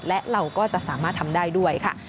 และเราก็จะสามารถทำได้ด้วยค่ะ